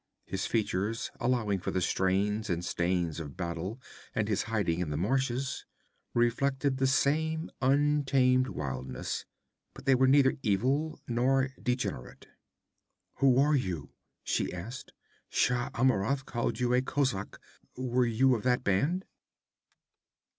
His features, allowing for the strains and stains of battle and his hiding in the marshes, reflected that same untamed wildness, but they were neither evil nor degenerate. 'Who are you?' she asked. 'Shah Amurath called you a kozak; were you of that band?'